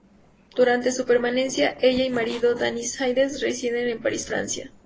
Durante su permanencia, ella y marido, David Hines, residieron en París, Francia.